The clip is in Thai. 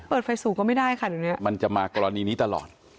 เปิดไฟสูงก็ไม่ได้ค่ะเดี๋ยวเนี้ยมันจะมากรณีนี้ตลอด